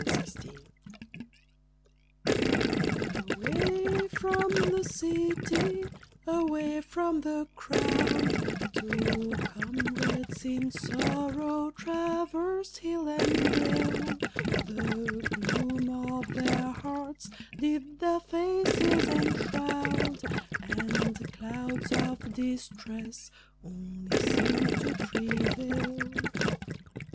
THE TRAVELERS Away from the city, away from the crowd, Two comrades in sorrow traversed hill and dale; The gloom of their hearts did their faces enshroud, And clouds of distress only seemed to prevail.